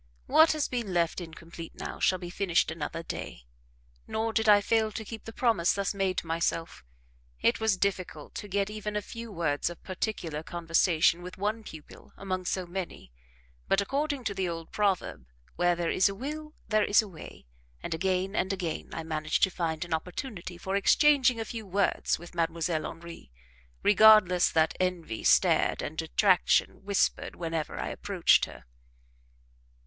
"What has been left incomplete now, shall be finished another day." Nor did I fail to keep the promise thus made to myself. It was difficult to get even a few words of particular conversation with one pupil among so many; but, according to the old proverb, "Where there is a will, there is a way;" and again and again I managed to find an opportunity for exchanging a few words with Mdlle. Henri, regardless that envy stared and detraction whispered whenever I approached her.